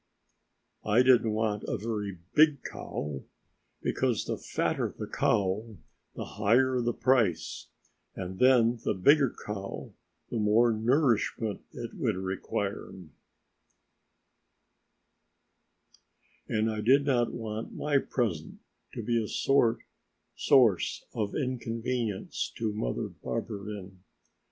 I did not want a very big cow. Because the fatter the cow the higher the price, and then the bigger the cow the more nourishment it would require, and I did not want my present to be a source of inconvenience to Mother Barberin.